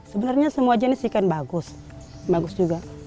sebenarnya semua jenis ikan bagus bagus juga